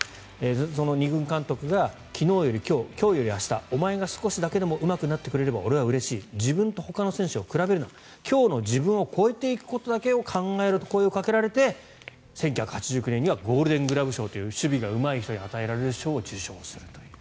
その２軍監督が昨日より今日、今日より明日お前が少しだけでもうまくなってくれれば俺はうれしい自分とほかの選手を比べるな今日の自分を超えていくことだけを考えろと声をかけられて、１９８９年にはゴールデングラブ賞という守備がうまい人に与えられる賞を受賞するという。